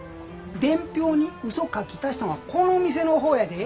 伝票にうそ書き足したんはこの店の方やで。